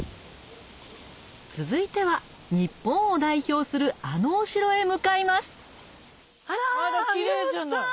続いては日本を代表するあのお城へ向かいますあらキレイじゃない。